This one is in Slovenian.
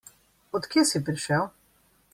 Od kje si prišel?